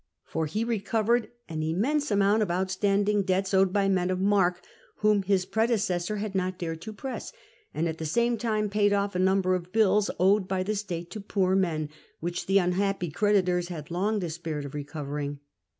For he recovered an immense amount of outstanding debts owed by men of mark, whom his predecessor had not dared to press, and at the same time paid off a number of bills owed by the state to poor men, which the unhappy creditors had long despaired of recovering.